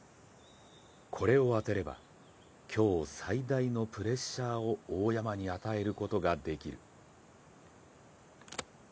これを当てれば、今日最大のプレッシャーを大山に与えることができる。